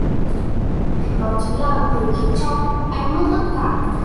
nó chính là người khiến cho anh mất tất cả